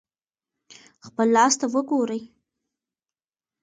خپل لاس ته وګورئ.